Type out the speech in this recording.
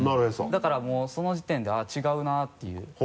だからもうその時点で「あっ違うな」っていう。